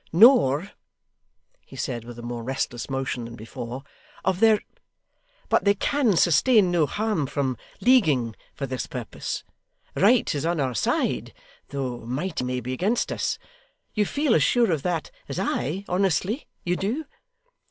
'Nor,' he said with a more restless motion than before, 'of their but they CAN sustain no harm from leaguing for this purpose. Right is on our side, though Might may be against us. You feel as sure of that as I honestly, you do?